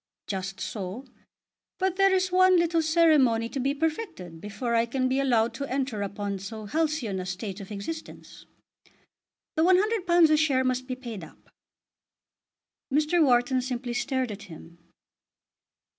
"Just so. But there is one little ceremony to be perfected before I can be allowed to enter upon so halcyon a state of existence. The £100 a share must be paid up." Mr. Wharton simply stared at him.